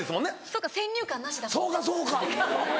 ・そっか先入観なしだもんね・そうかそうか。